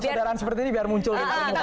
kesadaran seperti ini biar muncul